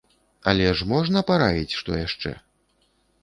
Але ж можна параіць што яшчэ?